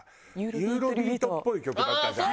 ユーロビートっぽい曲だった。